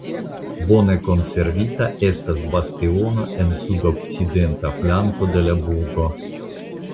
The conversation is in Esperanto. Bone konservita estas bastiono en sudokcidenta flanko de la burgo.